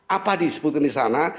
apa disebutkan disana